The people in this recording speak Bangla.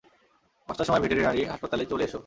পাঁচটার সময় ভেটেরিনারি হাসপাতালে চলে এসো।